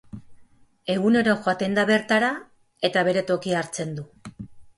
Egunero joaten da bertara eta bere tokia hartzen du.